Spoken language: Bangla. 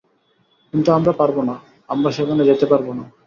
কিন্তু আমরা পারবোনা, আমরা সেখানে যেতে পারবোনা।